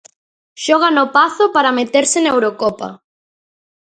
Xoga no Pazo para meterse na Eurocopa.